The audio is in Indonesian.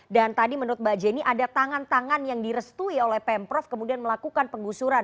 dan tadi menurut mbak jenny ada tangan tangan yang direstui oleh pemprov kemudian melakukan pengusuran